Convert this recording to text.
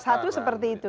salah satu seperti itu